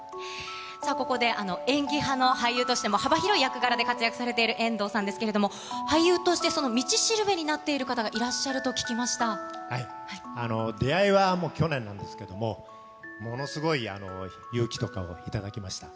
ここで演技派の俳優としても幅広い役柄で活躍されている遠藤さんですけれども、俳優としてその道しるべになっている方がいらっし出会いは去年なんですけれども、ものすごい勇気とかを頂きました。